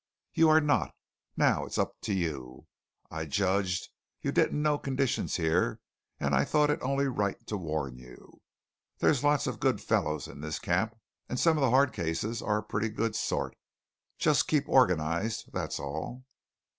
"You are not. Now it's up to you. I judged you didn't know conditions here, and I thought it only right to warn you. There's lots of good fellows in this camp; and some of the hard cases are a pretty good sort. Just keep organized, that's all."